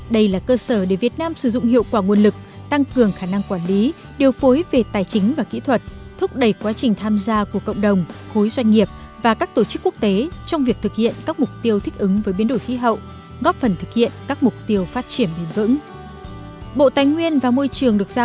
đây là cơ sở để việt nam sử dụng hiệu quả nguồn lực tăng cường khả năng quản lý điều phối về tài chính và kỹ thuật thúc đẩy quá trình tham gia của cộng đồng khối doanh nghiệp và các tổ chức quốc tế trong việc thực hiện các mục tiêu thích ứng với biến đổi khí hậu góp phần thực hiện các mục tiêu phát triển bền vững